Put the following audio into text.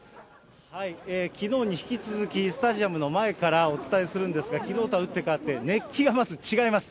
きのうに引き続き、スタジアムの前からお伝えするんですが、きのうとは打って変わって、熱気がまず違います。